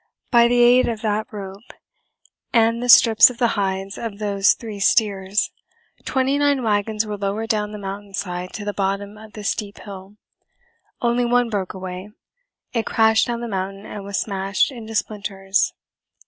By the aid of that rope and the strips of the hides of those three steers, twenty nine wagons were lowered down the mountain side to the bottom of the steep hill. Only one broke away; it crashed down the mountain and was smashed into splinters.